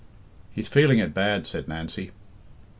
"He's feeling it bad," said Nancy.